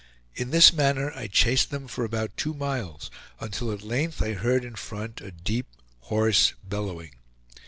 In this manner I chased them for about two miles, until at length I heard in front a deep hoarse bellowing.